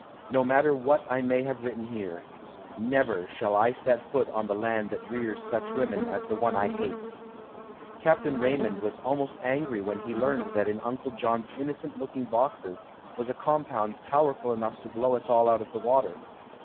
No matter what I may have written here. Never shall I set foot on the land that rears such women as the one I hate. Captain Raymond was almost angry when he learned that in Uncle John's innocent looking boxes was a compound powerful enough to blow us all out of the water.